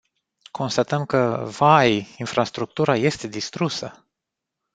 Constatăm că, vai, infrastructura este distrusă.